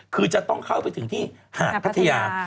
คือจะต้องเข้าไปถึงที่หาดพัทยา